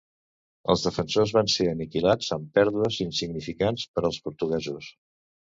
Els defensors van ser aniquilats, amb pèrdues insignificants per als portuguesos.